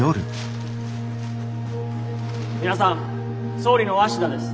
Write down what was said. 皆さん総理の鷲田です。